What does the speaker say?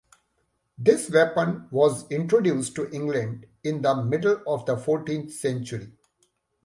This weapon was introduced to England in the middle of the fourteenth century.